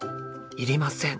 いりません。